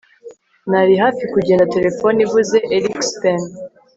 nari hafi kugenda, terefone ivuze erikspen